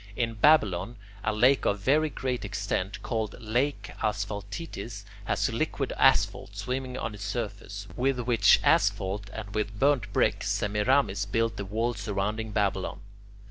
In Babylon, a lake of very great extent, called Lake Asphaltitis, has liquid asphalt swimming on its surface, with which asphalt and with burnt brick Semiramis built the wall surrounding Babylon.